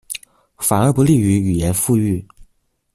反而不利於語言復育